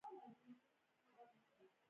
د کمیسیون په مالي او اداري چارو کې فعالیت کوي.